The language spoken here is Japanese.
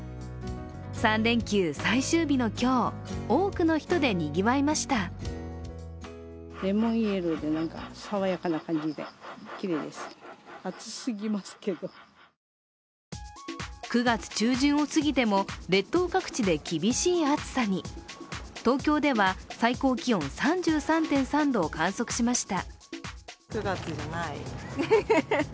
３連休最終日の今日、多くの人でにぎわいました９月中旬を過ぎても列島各地で厳しい暑さに。東京では最高気温３３．３度を観測しました。